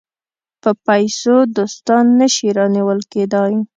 په پیسو دوستان نه شي رانیول کېدای.